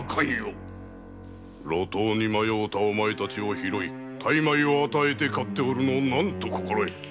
路頭に迷うたお前達を拾い大枚を与えて飼っておるのを何と心得る。